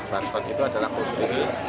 barcode itu adalah kode diri